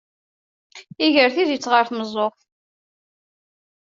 Iger tizit ɣer tmeẓẓuɣt.